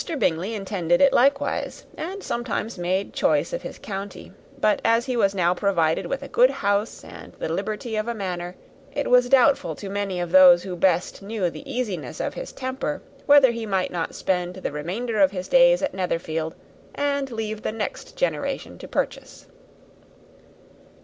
Bingley intended it likewise, and sometimes made choice of his county; but, as he was now provided with a good house and the liberty of a manor, it was doubtful to many of those who best knew the easiness of his temper, whether he might not spend the remainder of his days at Netherfield, and leave the next generation to purchase.